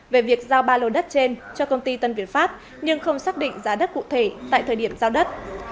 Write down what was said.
về việc giao ba lô đất trên cho công ty tân việt pháp nhưng không xác định giá đất cụ thể tại thời điểm giao đất